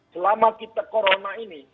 selama kita corona ini